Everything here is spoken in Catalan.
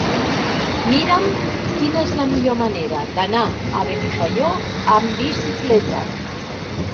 Mira'm quina és la millor manera d'anar a Benifaió amb bicicleta.